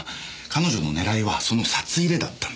彼女の狙いはその札入れだったんですよ。